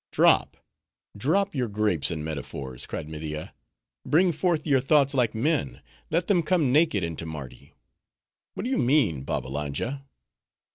"Drop, drop your grapes and metaphors!" cried Media. "Bring forth your thoughts like men; let them come naked into Mardi.—What do you mean, Babbalanja?"